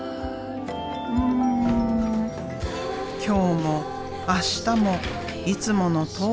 今日も明日もいつものとおり。